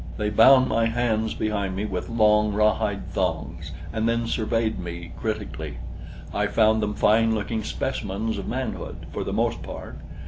They bound my hands behind me with long rawhide thongs and then surveyed me critically. I found them fine looking specimens of manhood, for the most part.